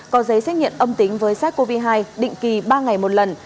có giấy xét nghiệm âm tính với sars cov hai định kỳ ba ngày một lần